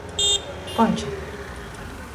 Konče.